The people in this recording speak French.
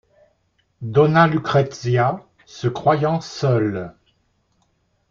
Dona lucrezia, se croyant seule.